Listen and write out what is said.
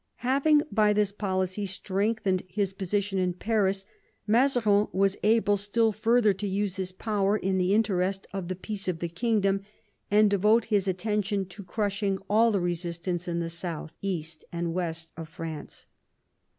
Having by this policy strengthened his position in Paris, Mazarin was able still further to use his power in the interest of the peace of the kingdom and devote his attention to crushing all the resistance in the south, east, and west of France.